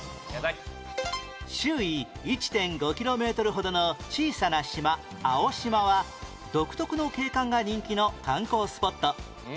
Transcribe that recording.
周囲 １．５ キロメートルほどの小さな島青島は独特の景観が人気の観光スポット